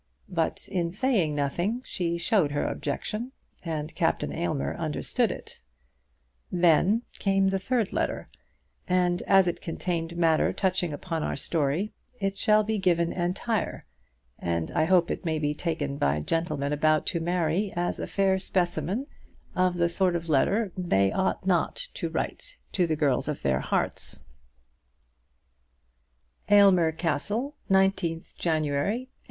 But in saying nothing she showed her objection, and Captain Aylmer understood it. Then came the third letter, and as it contained matter touching upon our story, it shall be given entire, and I hope it may be taken by gentlemen about to marry as a fair specimen of the sort of letter they ought not to write to the girls of their hearts: Aylmer Castle, 19th January, 186